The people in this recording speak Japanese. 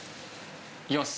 いきます！